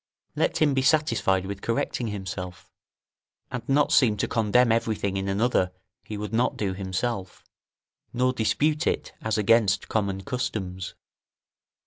Let him be satisfied with correcting himself, and not seem to condemn everything in another he would not do himself, nor dispute it as against common customs.